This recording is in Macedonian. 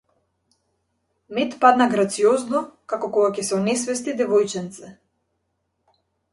Мет падна грациозно, како кога ќе се онесвести девојченце.